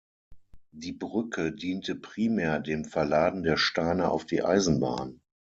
Die Brücke diente primär dem Verladen der Steine auf die Eisenbahn.